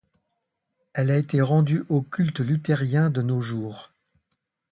Elle a été rendue au culte luthérien de nos jours.